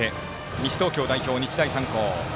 西東京代表、日大三高。